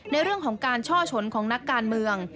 ในเรื่องของการช่อชนของนักการเมือง